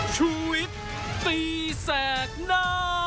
ชีวิตตีแสกหน้า